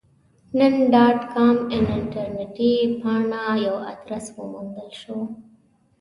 نن ډاټ کام پر انټرنیټي پاڼه یو ادرس وموندل شو.